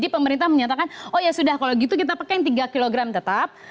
pemerintah menyatakan oh ya sudah kalau gitu kita pakai yang tiga kg tetap